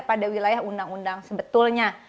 pada wilayah undang undang sebetulnya